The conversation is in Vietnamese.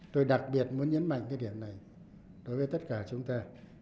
tôi đặc biệt muốn nhấn mạnh cái điểm này đối với tất cả chúng ta